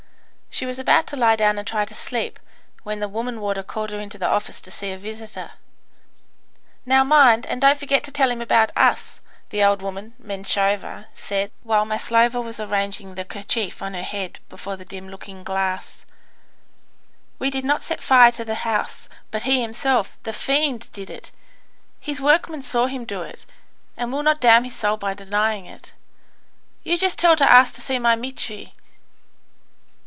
She was about to lie down and try to sleep, when the woman warder called her into the office to see a visitor. "Now, mind, and don't forget to tell him about us," the old woman (Menshova) said, while Maslova was arranging the kerchief on her head before the dim looking glass. "We did not set fire to the house, but he himself, the fiend, did it; his workman saw him do it, and will not damn his soul by denying it. You just tell to ask to see my Mitri.